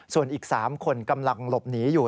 ส่วนอีก๓คนกำลังหลบหนีอยู่